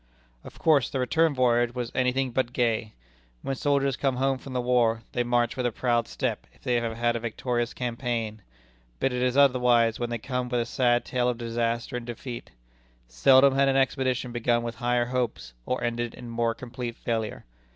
Of course, the return voyage was "any thing but gay." When soldiers come home from the war, they march with a proud step, if they have had a victorious campaign. But it is otherwise when they come with a sad tale of disaster and defeat. Seldom had an expedition begun with higher hopes, or ended in more complete failure.